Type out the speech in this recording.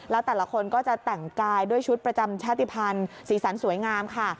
แล้วแต่ละคนก็จะแต่งกายด้วยชุดประจำชาติภัณฑ์สีสันสวยงามค่ะ